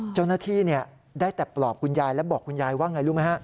เจ้าหน้าที่ได้แต่ปลอบคุณยายและบอกคุณยายว่าไงรู้ไหมฮะ